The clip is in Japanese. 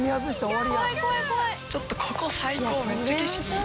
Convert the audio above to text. ちょっとここ最高。